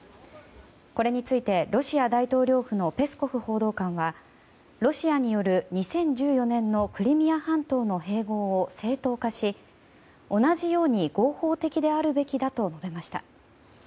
これについて、ロシア大統領府のペスコフ報道官はロシアによる２０１４年のクリミア半島の併合を正当化し、同じように合法的であるべきだと述べました。